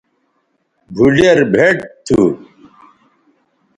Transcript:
بھوڈیر بھئٹ تھو